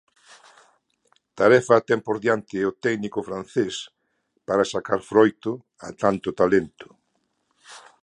Tarefa ten por diante o técnico francés para sacar froito a tanto talento.